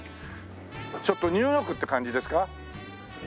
ちょっとニューヨークって感じですか？